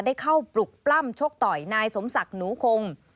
ได้เข้าปลุกปล้ำชกต่อยนายสมศักดิ์หนูคง